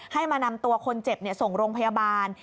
ให้มานำตัวคนเจ็บส่งโรงพยาบาล